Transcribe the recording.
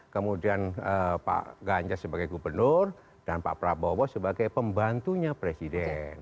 kemudian pak ganjar sebagai gubernur dan pak prabowo sebagai pembantunya presiden